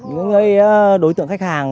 những cái đối tượng khách hàng